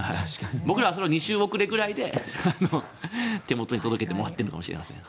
僕らは２周遅れくらいで手元に届けてもらっているのかもしれません。